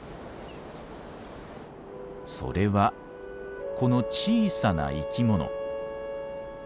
それはこの小さな生き物。